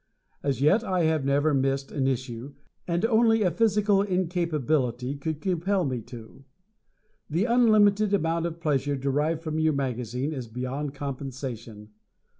As yet, I have never missed an issue, and only a physical incapability could compel me to. The unlimited amount of pleasure derived from your magazine is beyond compensation.